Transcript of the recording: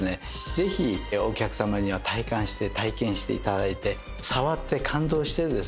ぜひお客様には体感して体験して頂いて触って感動してですね